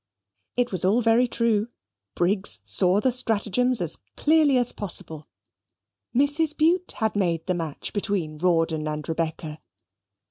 It was all very true. Briggs saw the stratagems as clearly as possible. Mrs. Bute had made the match between Rawdon and Rebecca.